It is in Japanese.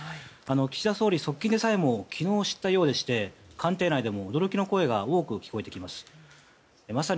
岸田総理の側近でさえも昨日知ったようでして官邸内でも驚きの声が多く聞こえてきます。